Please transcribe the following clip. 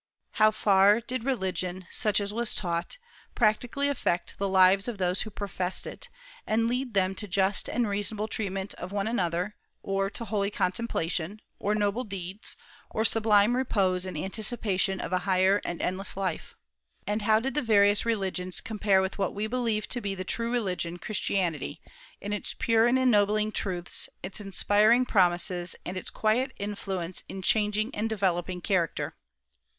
How far did religion, such as was taught, practically affect the lives of those who professed it, and lead them to just and reasonable treatment of one another, or to holy contemplation, or noble deeds, or sublime repose in anticipation of a higher and endless life? And how did the various religions compare with what we believe to be the true religion Christianity in its pure and ennobling truths, its inspiring promises, and its quiet influence in changing and developing character?